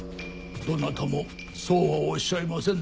どなたもそうはおっしゃいませんでしたが。